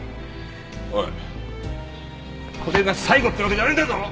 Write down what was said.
おいこれが最後ってわけじゃないんだぞ！